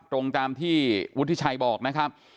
ตรงตามที่วุฒิชัยบอกนะครับ